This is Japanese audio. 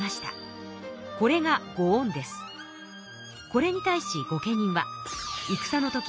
これに対し御家人は戦の時